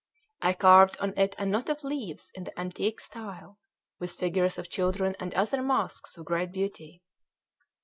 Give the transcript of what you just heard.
I carved on it a knot of leaves in the antique style, with figures of children and other masks of great beauty.